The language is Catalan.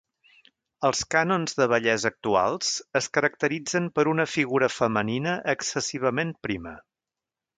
Els cànons de bellesa actuals es caracteritzen per una figura femenina excessivament prima.